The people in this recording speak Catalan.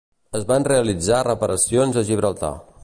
Es van realitzar reparacions a Gibraltar.